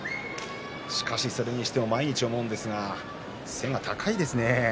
しかしそれにしても毎日思うんですが背が高いですね。